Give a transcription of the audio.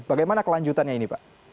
bagaimana kelanjutannya ini pak